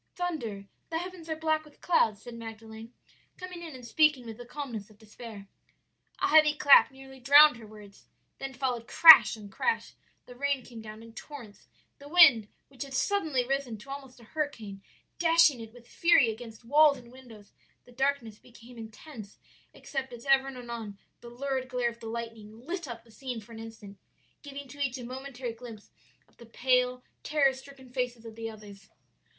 "'Thunder; the heavens are black with clouds,' said Magdalen, coming in and speaking with the calmness of despair. "A heavy clap nearly drowned her words, then followed crash on crash; the rain came down in torrents the wind, which had suddenly risen to almost a hurricane, dashing it with fury against walls and windows; the darkness became intense except as ever and anon the lurid glare of the lightning lit up the scene for an instant, giving to each a momentary glimpse of the pale, terror stricken faces of the others.